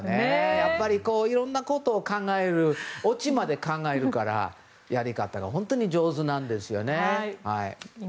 やっぱりいろんなことを考えてオチまで考えるから、やり方が本当に上手なんですよね。